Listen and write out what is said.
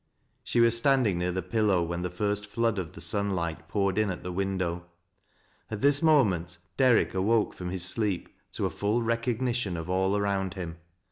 She was standing near the pillow when the firet flood of the sunlight poured in at the window. At this moment Derrick awoke from his sleep to a full recognition of all around him.